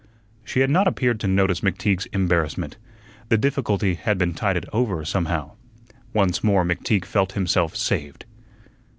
She had not appeared to notice McTeague's embarrassment. The difficulty had been tided over somehow. Once more McTeague felt himself saved.